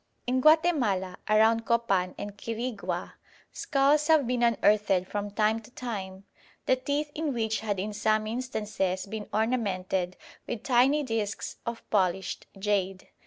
In Guatemala, around Copan and Quirigua, skulls have been unearthed from time to time the teeth in which had in some instances been ornamented with tiny discs of polished jade.